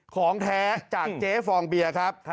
ของแท้จากเจ๊ฟองเบียร์ครับ